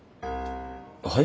はい？